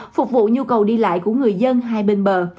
phục vụ nhu cầu đi lại của người dân hai bên bờ